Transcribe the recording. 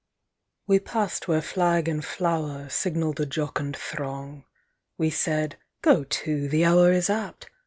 H. WE passed where flag and flower Signalled a jocund throng; We said: "Go to, the hour Is apt!"